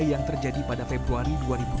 yang terjadi pada februari dua ribu dua puluh